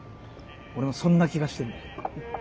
俺もそんな気がしてんだよ。